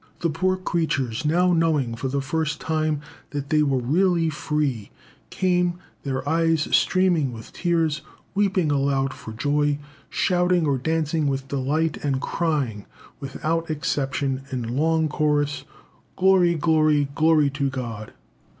The poor creatures, now knowing, for the first time, that they were really free, came, their eyes streaming with tears, weeping aloud for joy, shouting or dancing with delight, and crying, without exception, in long chorus, "Glory, glory, glory to God!"